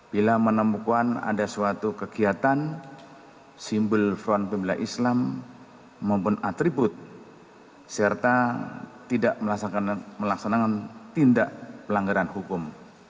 bila menemukan ada suatu kegiatan simbol fpi mempunyai atribut serta tidak melaksanakan tindak pelanggaran hukum